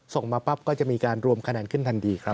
ส่งมาปั๊บก็จะมีการรวมคะแนนขึ้นทันทีครับ